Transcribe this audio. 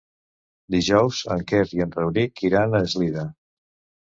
Dijous en Quer i en Rauric iran a Eslida.